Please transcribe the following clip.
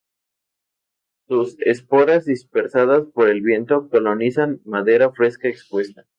Sus esporas dispersadas por el viento, colonizan madera fresca expuesta.